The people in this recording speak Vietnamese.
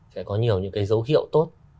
sẽ có nhiều dấu hiệu tốt